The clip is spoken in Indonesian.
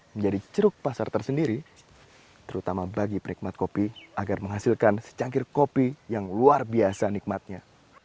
menjadi ceruk pasar tersendiri terutama bagi penikmat kopi agar menghasilkan secangkir kopi yang luar biasa nikmatnya